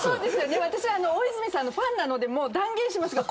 私は大泉さんのファンなので断言しますが。